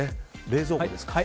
冷蔵庫ですか。